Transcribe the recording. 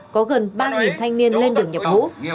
có gần ba thanh niên lên đường nhập ngũ